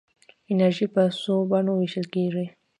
انرژي په څو بڼو ویشل کېږي.